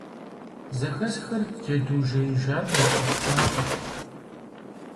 Зэхэсхыр джэду жеижам и хъурхъ макъырт.